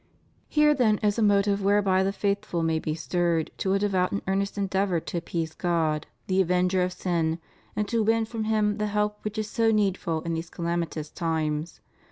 Here then is a motive whereby the faithful may be stirred to a devout and earnest endeavor to appease God the avenger of sin, and to win from Him the help which is so needful in these calamitous times.